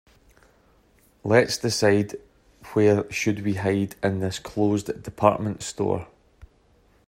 Let's decide where should we hide in this closed department store.